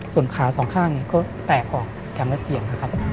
ส่วนขาสองข้างก็แตกออกแก่มระเสียง